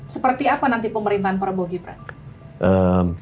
seperti apa nanti pemerintahan prabowo gibran